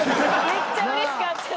めっちゃうれしかった。